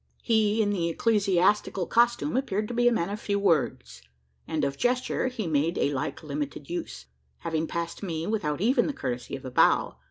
He in the ecclesiastical costume appeared to be a man of few words; and of gesture he made a like limited use: having passed me, without even the courtesy of a bow.